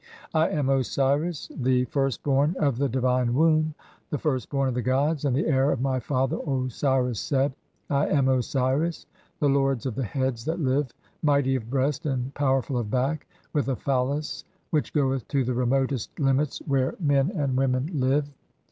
I am Osiris, the "first born of the divine womb, the first born of the gods, and "the heir of my father Osiris Seb(P). I am Osiris, the lords of "the heads (5) that live, mighty of breast and powerful of back, "with a phallus which goeth to the remotest limits [where] men THE CHAPTER OF COMING FORTH BY DAY. 125 "and women [live].